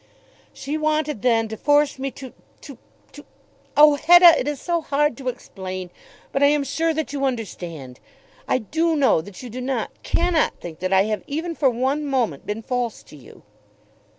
"She wanted then to force me to to to . Oh, Hetta, it is so hard to explain, but I am sure that you understand. I do know that you do not, cannot think that I have, even for one moment, been false to you."